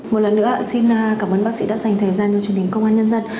một lần nữa xin cảm ơn bác sĩ đã dành thời gian cho chương trình công an nhân dân